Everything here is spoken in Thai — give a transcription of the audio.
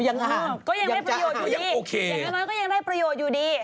ยังจะอ่านยังโอเคอย่างน้อยก็ยังได้ประโยชน์อยู่ดี